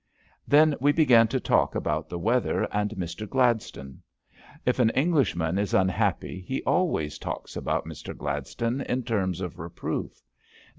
Then we began to talk about the weather and Mister Gladstone. If an Englishman is unhappy he always talks about Mister Gladstone in terms of reproof.